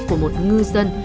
của một ngư dân